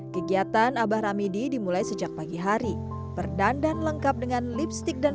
kegiatan abah ramidi dimulai sejak pagi hari berdandan lengkap dengan lipstick dan